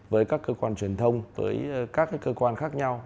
với các cơ quan truyền thông với các cơ quan khác nhau